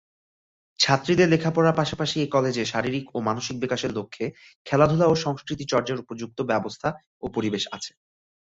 ছাত্রীদের লেখাপড়ার পাশাপাশি এ কলেজে শারীরিক ও মানসিক বিকাশের লক্ষ্যে খেলাধুলা ও সংস্কৃতি চর্চার উপযুক্ত ব্যবস্থা ও পরিবেশ আছে।